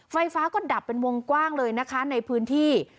ไฟฟ้าก็ดับเป็นวงกว้างเลยนะคะในพื้นที่